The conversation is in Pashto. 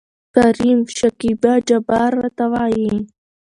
کريم : شکيبا جبار راته وايي.